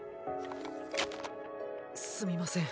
すみません